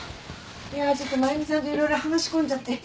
いやちょっと真由美さんと色々話し込んじゃって。